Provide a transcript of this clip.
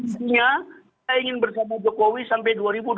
hanya saya ingin bersama jokowi sampai dua ribu dua puluh